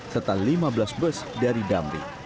serta lima belas bus dari damri